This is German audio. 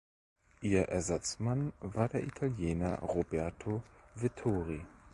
Ihr Ersatzmann war der Italiener Roberto Vittori.